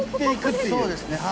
そうですね。